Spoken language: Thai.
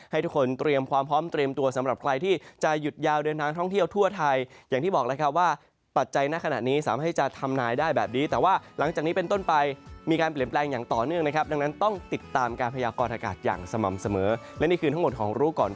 ให้ทุกคนเตรียมความพร้อมเตรียมตัวสำหรับใครที่จะหยุดยาวเดินทางท่องเที่ยวทั่วไทยอย่างที่บอกแล้วครับว่าปัจจัยในขณะนี้สามารถให้จะทำนายได้แบบนี้แต่ว่าหลังจากนี้เป็นต้นไปมีการเปลี่ยนแปลงอย่างต่อเนื่องนะครับดังนั้นต้องติดตามการพยากรอากาศอย่างสม่ำเสมอและนี่คือทั้งหมดของรู้ก่อน